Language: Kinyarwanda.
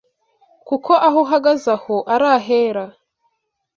kuko aho uhagaze aho ari ahera.